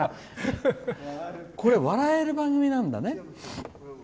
これ、笑える番組なんだね。